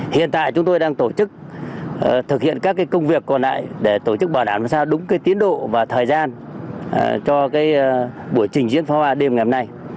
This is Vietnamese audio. hiện tại chúng tôi đang tổ chức thực hiện các công việc còn lại để tổ chức bảo đảm làm sao đúng tiến độ và thời gian cho buổi trình diễn pháo hoa đêm ngày hôm nay